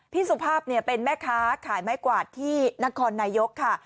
สุภาพเป็นแม่ค้าขายไม้กวาดที่นครนายกค่ะ